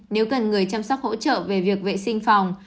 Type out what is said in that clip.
nếu cần người chăm sóc hỗ trợ về việc vệ sinh phòng